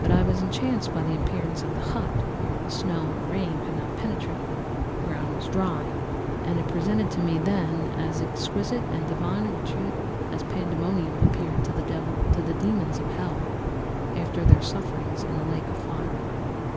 But I was enchanted by the appearance of the hut; here the snow and rain could not penetrate; the ground was dry; and it presented to me then as exquisite and divine a retreat as Pandæmonium appeared to the dæmons of hell after their sufferings in the lake of fire.